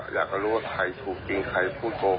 อยากรู้ว่าใครถูกกินใครพูดโกหก